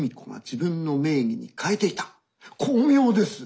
巧妙です